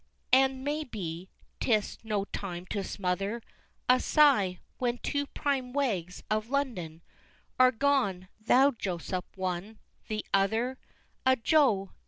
XIV. And, may be 'tis no time to smother A sigh, when two prime wags of London Are gone thou, Joseph, one, the other A Joe!